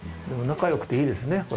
でも仲よくていいですね。